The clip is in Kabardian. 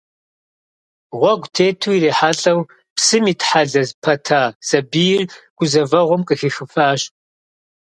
Гъуэгу тету ирихьэлӏэу псым итхьэлэ пэта сабийр гузэвэгъуэм къыхихыфащ.